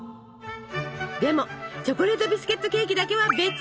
でもチョコレートビスケットケーキだけは別！